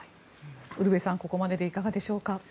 ウルヴェさんここまででいかがでしょうか。